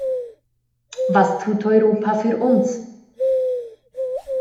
Was tut Europa für uns?